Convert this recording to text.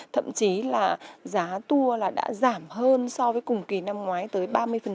thậm chí là giá tour đã giảm hơn so với cùng kỳ năm ngoái tới ba mươi